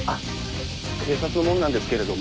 警察の者なんですけれども。